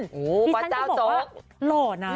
เจ้าพี่ชมฟรีชันคนเขาบอกว่าหล่อนะ